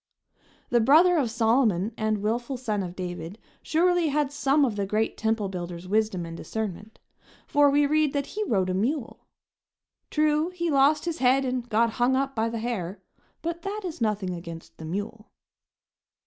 The brother of Solomon and willful son of David surely had some of the great temple builder's wisdom and discernment, for we read that he rode a mule. True, he lost his head and got hung up by the hair, but that is nothing against the mule.